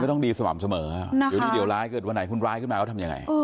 ต้องดีสม่ำเสมอเดี๋ยวดีเดี๋ยวร้ายเกิดวันไหนคุณร้ายขึ้นมาเขาทำยังไง